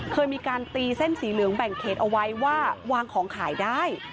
เคยมีการตีเส้นสีเหลืองแบ่งเขตเอาไว้ว่าวางของขายได้